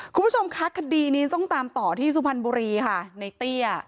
คุณผู้ชมคะคดีนี้ต้องตามต่อที่สุพรรณบุรีค่ะในเตี้ย